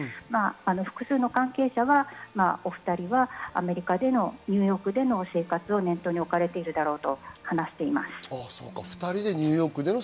複数の関係者はお２人はアメリカでの、ニューヨークでの生活を念頭に置かれているだろうと話しています。